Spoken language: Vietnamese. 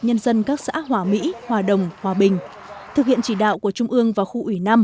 nhân dân các xã hòa mỹ hòa đồng hòa bình thực hiện chỉ đạo của trung ương và khu ủy năm